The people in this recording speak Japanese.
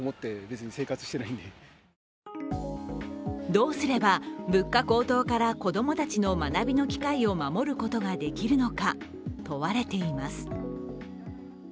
どうすれば物価高騰から子供たちの学びの機会を守ることができるのか、問われています。